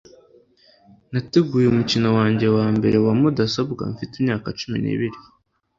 Nateguye umukino wanjye wa mbere wa mudasobwa mfite imyaka cumi nibiri